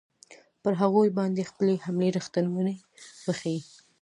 پر هغوی باندې خپلې حملې ریښتوني وښیي.